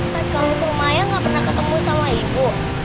pas kamu ke rumah ayah enggak pernah ketemu sama ibu